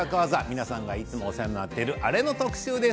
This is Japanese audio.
皆さんがいつもお世話になっているあれの特集です。